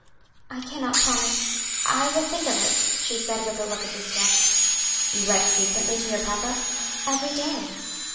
"I cannot promise I will think of it," she said with a look of distress. "You write frequently to your papa?" "Every day."